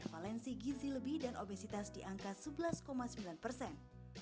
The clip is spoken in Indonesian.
valensi gizi lebih dan obesitas di angka sebelas sembilan persen